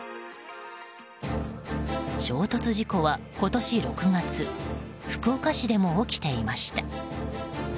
衝突事故は今年６月福岡市でも起きていました。